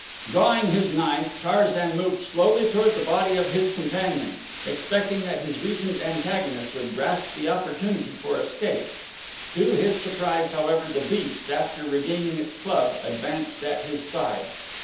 Drawing his knife Tarzan moved slowly toward the body of his companion, expecting that his recent antagonist would grasp the opportunity for escape. To his surprise, however, the beast, after regaining its club, advanced at his side.